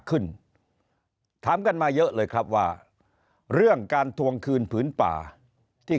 ขึ้นถามกันมาเยอะเลยครับว่าเรื่องการทวงคืนผืนป่าที่